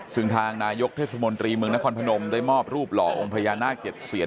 ซึ่งทางนายกเทศมนตรีเมืองนครพนมได้มอบรูปหล่อองค์พญานาค๗เสียน